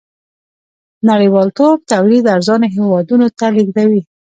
نړۍوالتوب تولید ارزانو هېوادونو ته لېږدوي.